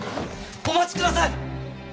お待ちください！